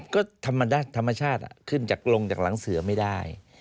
ก็ธรรมชาติขึ้นจากลงจากหลังเสือไม่ได้